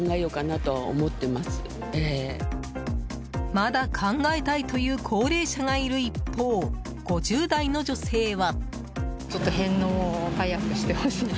まだ考えたいという高齢者がいる一方５０代の女性は。